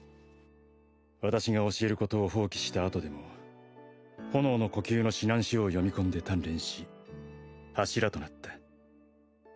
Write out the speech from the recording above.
「私が教えることを放棄した後でも炎の呼吸の指南書を読み込んで鍛錬し柱となった」